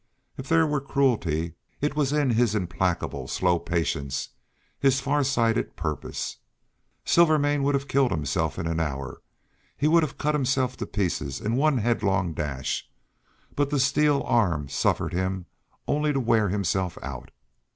If there were cruelty it was in his implacable slow patience, his farsighted purpose. Silvermane would have killed himself in an hour; he would have cut himself to pieces in one headlong dash, but that steel arm suffered him only to wear himself out.